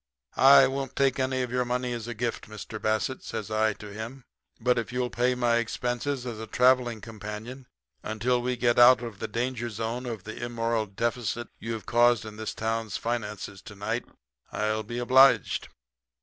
"'I won't take any of your money as a gift, Mr. Bassett,' says I to him, 'but if you'll pay my expenses as a travelling companion until we get out of the danger zone of the immoral deficit you have caused in this town's finances to night, I'll be obliged.'